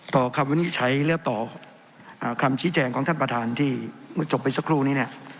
ต่อคำวินิจฉัยและต่อคำชี้แจงของท่านประธานที่เมื่อจบไปสักครู่นี้เนี่ย